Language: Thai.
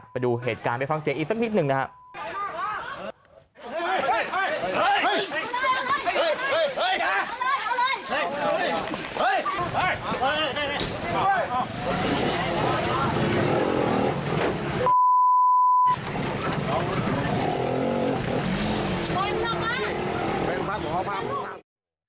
ไปดูเหตุการณ์ไปฟังเสียงอีกสักนิดหนึ่งนะครับ